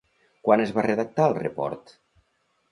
Quan es va redactar el report?